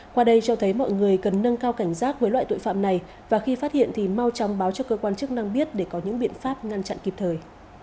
qua đây cho thấy mọi người cần nâng cao cảnh giác với loại tội phạm này và khi phát hiện thì mau chóng báo cho cơ quan chức năng biết để có những biện pháp ngăn chặn kịp thời